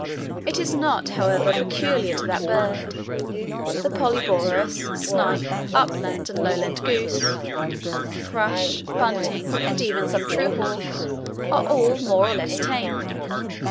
It is not, however, peculiar to that bird: the Polyborus, snipe, upland and lowland goose, thrush, bunting, and even some true hawks, are all more or less tame.